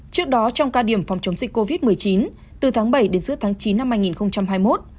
trước đó trong cao điểm phòng chống dịch covid một mươi chín từ tháng bảy đến giữa tháng chín năm hai nghìn hai mươi một